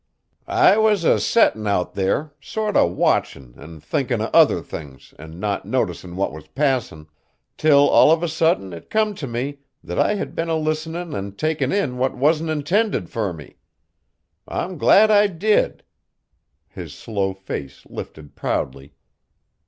"I was a settin' out there, sort a watchin' an' thinkin' o' other things an' not noticin' what was passin', till all of a suddint it come t' me, that I had been a listenin' an' takin' in what wasn't intended fur me. I'm glad I did!" His slow face lifted proudly.